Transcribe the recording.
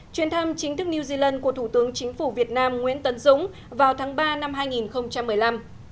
chuyến thăm chính thức new zealand của thủ tướng chính phủ việt nam nguyễn tấn dũng vào tháng ba năm hai nghìn một mươi năm